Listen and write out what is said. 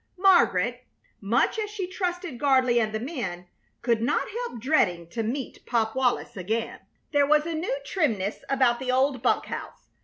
Margaret, much as she trusted Gardley and the men, could not help dreading to meet Pop Wallis again. There was a new trimness about the old bunk house.